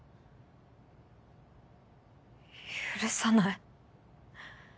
許さない。